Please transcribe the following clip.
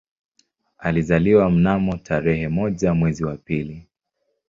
Alizaliwa mnamo tarehe moja mwezi wa pili